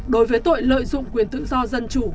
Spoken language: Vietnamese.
đối với tội lợi dụng quyền tự do dân chủ